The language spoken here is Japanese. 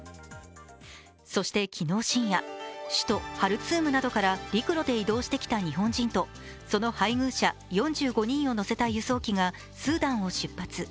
そして昨日深夜、首都ハルツームなどから陸路で移動してきた日本人とその配偶者４５人を乗せた輸送機がスーダンを出発。